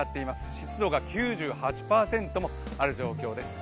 湿度が９８％もある状況です。